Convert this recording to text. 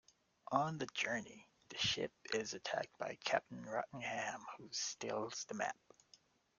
On the journey, the ship is attacked by Captain Rottingham, who steals the map.